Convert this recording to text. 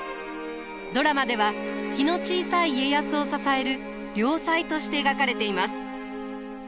ドラマでは気の小さい家康を支える良妻として描かれています。